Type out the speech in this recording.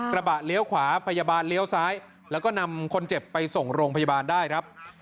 กระบะเลี้ยวขวาพยาบาลเลี้ยวซ้ายแล้วก็นำคนเจ็บไปส่งโรงพยาบาลได้ครับ